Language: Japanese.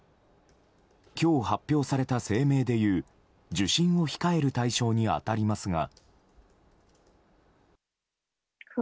今日発表された声明でいう受診を控える対象に当たりますが。